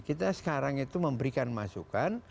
kita sekarang itu memberikan masukan